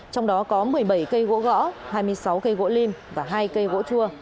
trong đó có một mươi bảy cây gỗ gõ hai mươi sáu cây gỗ lim và hai cây gỗ chua